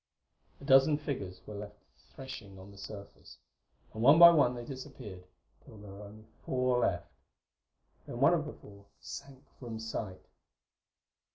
A dozen figures were left threshing on the surface; but one by one they disappeared, till there were only four left. Then one of the four sank from sight....